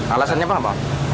alasannya apa pak